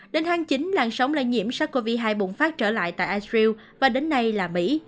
đến tháng chín làn sóng lây nhiễm sắc covid hai bùng phát trở lại tại israel và đến nay là mỹ